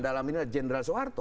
dalam inilah jenderal soeharto